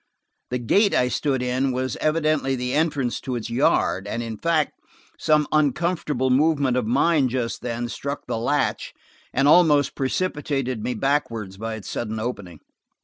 The gate I stood in was evidently the entrance to its yard, and in fact, some uncomfortable movement of mine just then struck the latch, and almost precipitated me backward by its sudden opening.